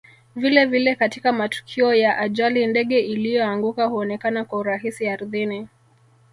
Vile vile katika matukio ya ajali ndege iliyoanguka huonekana kwa urahisi ardhini